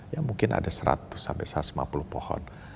ya mungkin ada seratus sampai satu ratus lima puluh pohon